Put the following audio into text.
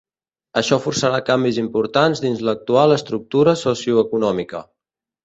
Això forçarà canvis importants dins l'actual estructura socioeconòmica.